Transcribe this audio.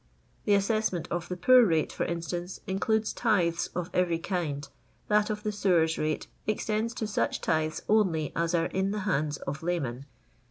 The assessment of the poor rate, for instance^ includes tithes of every kind, that of the sewers rate extends to such tithes only as are in the hands of laymen.